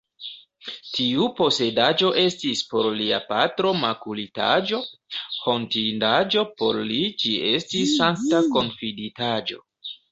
Tiu posedaĵo estis por lia patro makulitaĵo, hontindaĵo; por li ĝi estis sankta konfiditaĵo.